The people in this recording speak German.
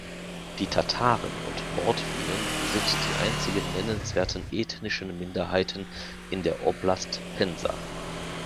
Die Tataren und Mordwinen sind die einzigen nennenswerten ethnischen Minderheiten in der Oblast Pensa.